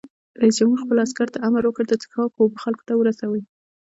رئیس جمهور خپلو عسکرو ته امر وکړ؛ د څښاک اوبه خلکو ته ورسوئ!